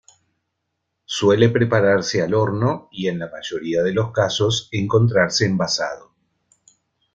Suele prepararse al horno, y en la mayoría de los casos encontrarse envasado.